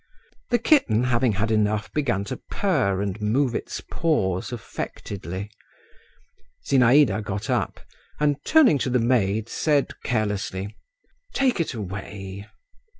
The kitten having had enough began to purr and move its paws affectedly. Zinaïda got up, and turning to the maid said carelessly, "Take it away."